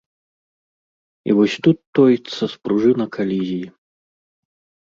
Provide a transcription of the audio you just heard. І вось тут тоіцца спружына калізіі.